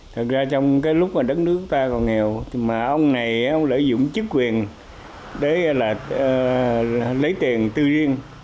thật ra trong cái lúc mà đất nước ta còn nghèo mà ông này lợi dụng chức quyền để là lấy tiền tư riêng